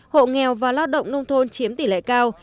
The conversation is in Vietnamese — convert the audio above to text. hộ nghèo và lao động nông thôn chiếm tỷ lệ cao